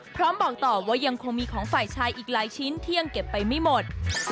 บอกต่อว่ายังคงมีของฝ่ายชายอีกหลายชิ้นที่ยังเก็บไปไม่หมด